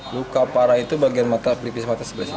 luka parah itu bagian mata pelipis mata sebelah sini